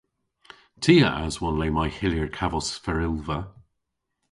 Ty a aswon le may hyllir kavos ferylva.